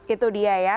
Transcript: itu dia ya